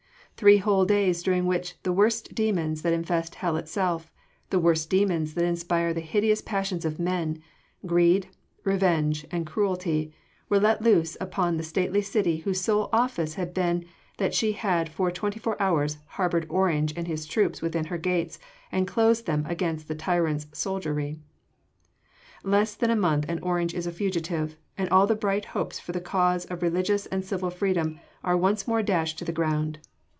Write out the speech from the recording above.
Three whole days during which the worst demons that infest hell itself, the worst demons that inspire the hideous passions of men greed, revenge and cruelty were let loose upon the stately city whose sole offence had been that she had for twenty four hours harboured Orange and his troops within her gates and closed them against the tyrant’s soldiery! Less than a month and Orange is a fugitive, and all the bright hopes for the cause of religious and civil freedom are once more dashed to the ground.